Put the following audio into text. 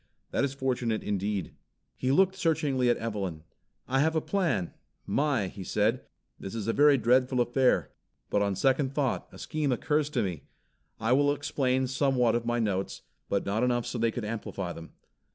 That is fortunate indeed." He looked searchingly at Evelyn. "I have a plan, my," he said. "This is a very dreadful affair, but on second thought a scheme occurs to me. I will explain somewhat of my notes, but not enough so they could amplify them.